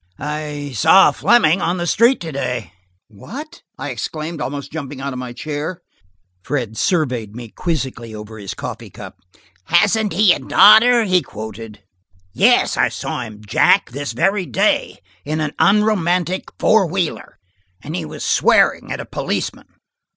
I saw Fleming on the street to day." "What!" I exclaimed, almost jumping out of my chair. Fred surveyed me quizzically over his coffee cup. " 'Hasn't he a daughter!' " he quoted. "Yes, I saw him, Jack, this very day, in an unromantic four wheeler, and he was swearing at a policeman."